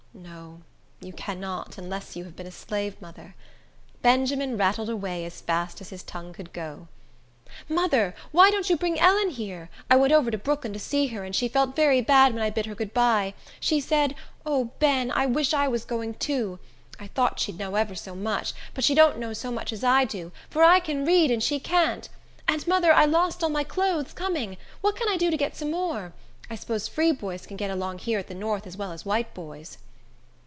No, you cannot, unless you have been a slave mother. Benjamin rattled away as fast as his tongue could go. "Mother, why don't you bring Ellen here? I went over to Brooklyn to see her, and she felt very bad when I bid her good by. She said, 'O Ben, I wish I was going too.' I thought she'd know ever so much; but she don't know so much as I do; for I can read, and she can't. And, mother, I lost all my clothes coming. What can I do to get some more? I 'spose free boys can get along here at the north as well as white boys."